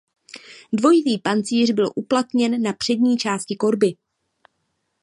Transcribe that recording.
Dvojitý pancíř byl uplatněn na přední části korby.